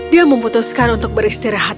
dia memutuskan untuk beristirahat